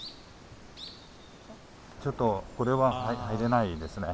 ちょっとこれは入れないですね。